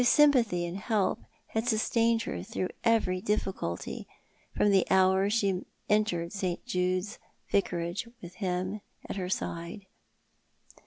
sympathy and help had sustained her through every difficulty, from the hour she entered St. Judo's Vicarage with him at her side.